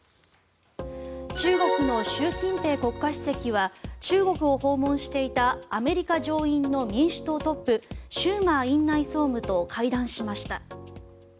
中国の習近平国家主席は中国を訪問していたアメリカ上院の民主党トップシューマー院内総務と会談しました。